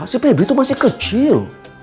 si pbb itu masih kecil